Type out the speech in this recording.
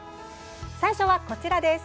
最初は、こちらです。